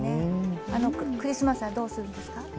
クリスマスはどうするんですか？